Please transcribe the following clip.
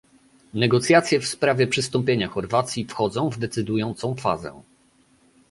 Negocjacje w sprawie przystąpienia Chorwacji wchodzą w decydującą fazę